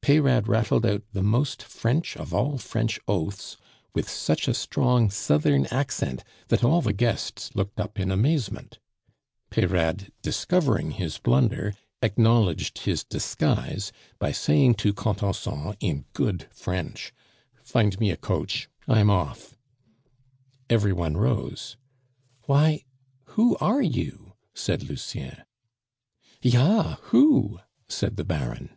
Peyrade rattled out the most French of all French oaths with such a strong Southern accent that all the guests looked up in amazement. Peyrade, discovering his blunder, acknowledged his disguise by saying to Contenson in good French: "Find me a coach I'm off." Every one rose. "Why, who are you?" said Lucien. "Ja who?" said the Baron.